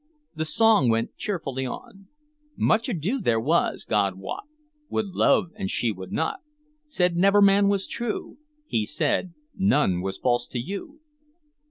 The song went cheerfully on: "'Much ado there was, God wot: would love and she would not; said, "Never man was true." He said, "None was false to you."